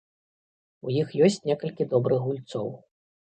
У іх ёсць некалькі добрых гульцоў.